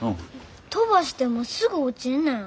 飛ばしてもすぐ落ちんねん。